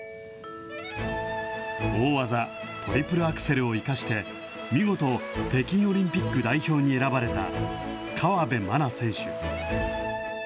大技、トリプルアクセルを生かして、見事、北京オリンピック代表に選ばれた河辺愛菜選手。